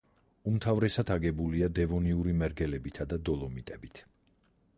უმთავრესად აგებულია დევონური მერგელებითა და დოლომიტებით.